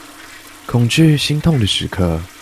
恐懼心痛的時刻